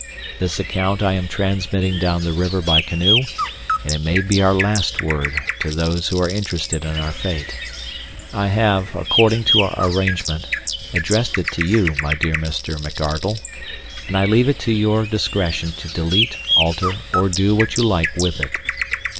This account I am transmitting down the river by canoe, and it may be our last word to those who are interested in our fate. I have, according to our arrangement, addressed it to you, my dear Mr. McArdle, and I leave it to your discretion to delete, alter, or do what you like with it.